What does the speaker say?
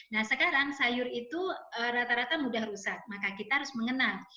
nah sekarang sayur itu rata rata mudah rusak maka kita harus mengenal